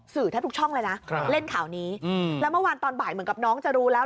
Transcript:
แทบทุกช่องเลยนะเล่นข่าวนี้แล้วเมื่อวานตอนบ่ายเหมือนกับน้องจะรู้แล้ว